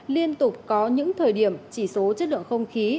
liên tục có những thời điểm chỉ số chất lượng không khí